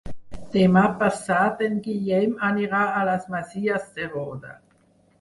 Demà passat en Guillem anirà a les Masies de Roda.